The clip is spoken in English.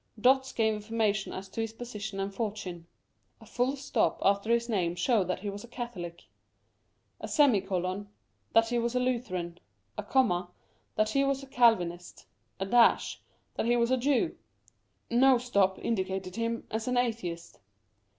Dots gave information as to his position and fortune. A full stop after his name showed that he was a Catholic ; a semicolon, that he was a Lutheran ; a comma, that he was a Calvinist ; a dash, that he was a Jew ; no stop indicated him as an Atheist.